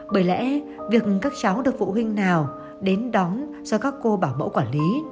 bởi lẽ việc các cháu được phụ huynh nào đến đón do các cô bảo mẫu quản lý